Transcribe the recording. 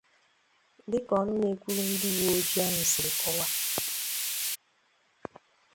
Dịka ọnụ na-ekwuru ndị uweojii ahụ siri kọwaa